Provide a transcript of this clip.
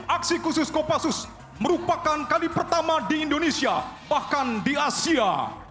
aksi khusus kopassus merupakan kali pertama di indonesia bahkan di asia